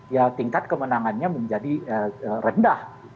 ya tingkat kemenangannya menjadi rendah